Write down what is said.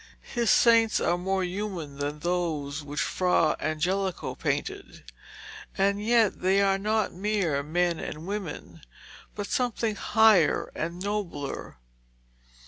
His saints are more human than those which Fra Angelico painted, and yet they are not mere men and women, but something higher and nobler.